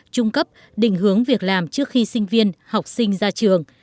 trung cấp định hướng việc làm trước khi sinh viên học sinh ra trường